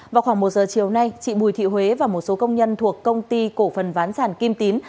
vào khoảng một giờ chiều nay chị bùi thị huế và một số công nhân thuộc công ty cổ phần ván sản kim tín